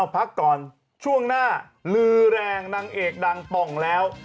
พักก่อนช่วงหน้าลือแรงนางเอกดังป่องแล้ว